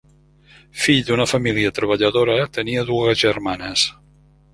Fill d'una família treballadora, tenia dues germanes.